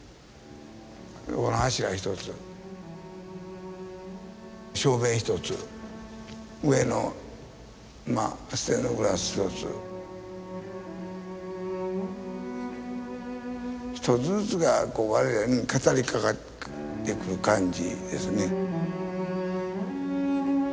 柱一つ照明一つ上のステンドグラス一つ一つずつがこう我々に語りかけてくる感じですね。